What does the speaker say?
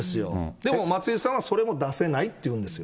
でも松井さんはそれも出せないって言うんですよ。